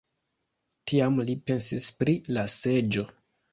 Tiam li pensis pri la seĝo.